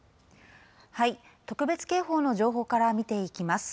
特別警報の情報から見ていきます。